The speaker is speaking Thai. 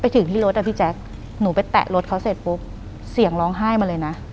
ถึงที่รถอ่ะพี่แจ๊คหนูไปแตะรถเขาเสร็จปุ๊บเสียงร้องไห้มาเลยนะ